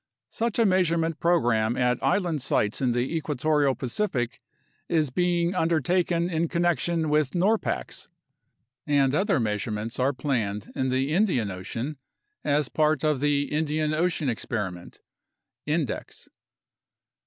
Such a measurement program at island sites in the equatorial Pacific is being undertaken in connection with norpax, and other measurements are planned in the Indian Ocean as part of the Indian Ocean Experiment (index).